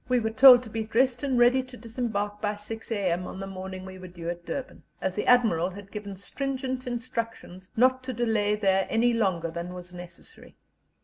We were told to be dressed and ready to disembark by 6 a.m. on the morning we were due at Durban, as the Admiral had given stringent instructions not to delay there any longer than was necessary.